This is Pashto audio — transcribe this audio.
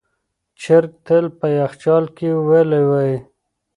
چرګ تل په یخچال کې ویلوئ.